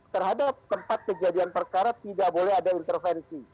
terhadap tempat kejadian perkara tidak boleh ada intervensi